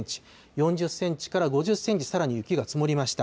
４０センチから５０センチ、さらに雪が積もりました。